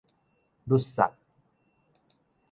甪捒